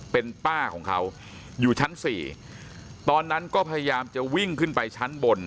เป็นป้าของเขาอยู่ชั้นสี่ตอนนั้นก็พยายามจะวิ่งขึ้นไปชั้นบน